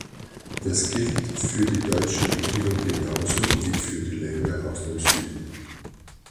Das gilt für die deutsche Regierung genauso wie für die Länder aus dem Süden.